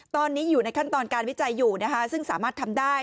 ตอนนี้อยู่ในขั้นตอนการวิจัยอยู่นะคะซึ่งสามารถทำได้